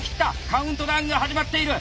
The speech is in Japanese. カウントダウンが始まっている。